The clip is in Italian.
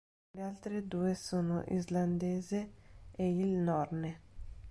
Le altre due sono l'islandese e il "norne".